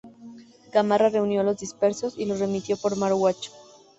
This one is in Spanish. Gamarra reunió a los dispersos y los remitió por mar a Huacho.